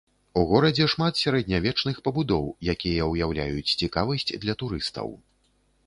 У горадзе шмат сярэднявечных пабудоў, якія ўяўляюць цікавасць для турыстаў.